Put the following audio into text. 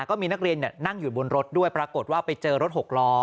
ก็มีนักเรียนนั่งอยู่บนรถด้วยปรากฏว่าไปเจอรถหกล้อ